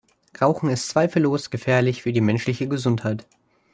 Rauchen ist zweifellos gefährlich für die menschliche Gesundheit.